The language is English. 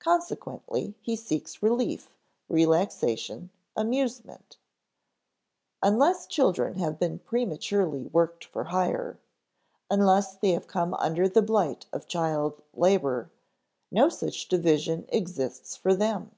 Consequently he seeks relief, relaxation, amusement. Unless children have prematurely worked for hire, unless they have come under the blight of child labor, no such division exists for them.